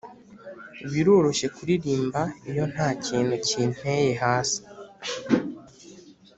biroroshye kuririmba iyo ntakintu kinteye hasi